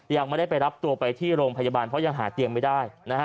ยังไม่ได้ไปรับตัวไปที่โรงพยาบาลเพราะยังหาเตียงไม่ได้